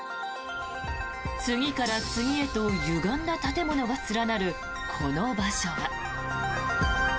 次から次へとゆがんだ建物が連なるこの場所は。